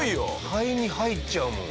肺に入っちゃうもん。